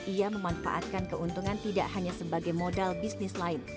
ia memanfaatkan keuntungan tidak hanya sebagai modal bisnis lain